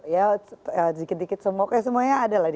ya dikit dikit semuanya ada lah